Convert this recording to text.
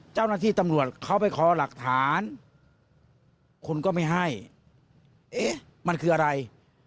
เจ้าหน้าที่ตำรวจเขาไปขอหลักฐานคุณก็ไม่ให้เอ๊ะมันคืออะไร